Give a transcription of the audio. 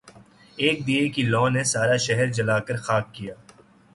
ایک دیے کی لو نے سارا شہر جلا کر خاک کیا